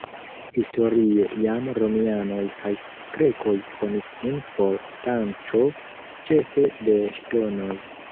Historie jam romianoj kaj grekoj konis ĝin por lanĉo ĉefe de ŝtonoj.